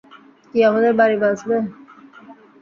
কি আমাদের বাড়ি বাঁচবে?